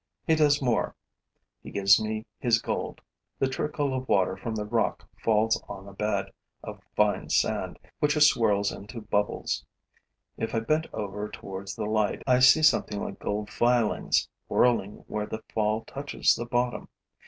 He does more: he gives me his gold. The trickle of water from the rock falls on a bed of fine sand which it swirls into bubbles. If I bent over towards the light, I see something like gold filings whirling where the fall touches the bottom.